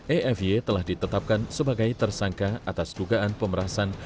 eyfy telah ditetapkan sebagai tersangka atas dugaan pemerasan